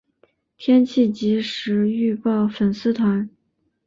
天气即时预报粉丝团